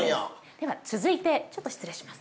では続いて、ちょっと失礼します。